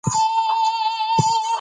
لوستې نجونې د شخړو حل لارې پياوړې کوي.